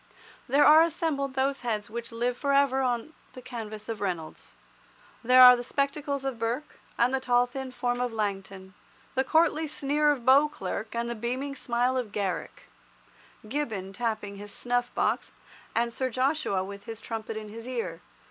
There are assembled those heads which live for ever on the canvas of Reynolds. There are the spectacles of Burke, and the tall thin form of Langton, the courtly sneer of Beauclerk and the beaming smile of Garrick, Gibbon tapping his snuff box, and Sir Joshua with his trumpet in his ear.